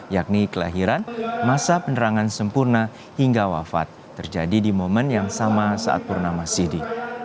yakni kelahiran masa penerangan sempurna hingga wafat terjadi di momen yang sama saat purnama sidi